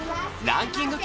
ランキング